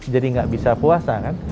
jadi gak bisa puasa kan